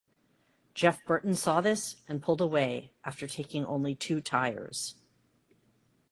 Jeff Burton saw this and pulled away after taking only two tires.